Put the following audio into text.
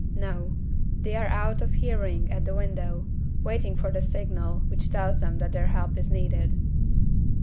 No. They are out of hearing at the window, waiting for the signal which tells them that their help is needed.